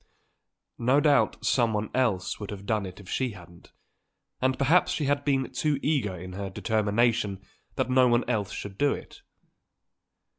No doubt someone else would have done it if she hadn't; and perhaps she had been too eager in her determination that no one else should do it.